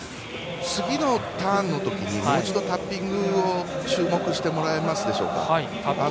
次のターンのときにもう一度タッピングに注目してもらえますでしょうか。